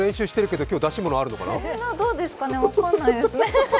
どうですかね、分かんないですね。